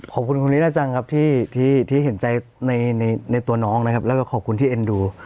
ขอบคุณคุณลีน่าจังครับที่เห็นใจในตัวน้องนะครับแล้วก็ขอบคุณที่เอ็นดู